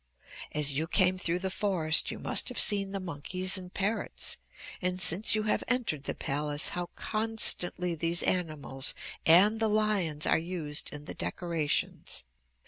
"As you came through the forest you must have seen the monkeys and parrots and since you have entered the palace, how constantly these animals, and the lions, are used in the decorations.